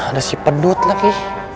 ada si pendut lagi